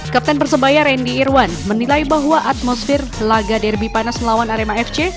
kapten persebaya randy irwan menilai bahwa atmosfer laga derby panas melawan arema fc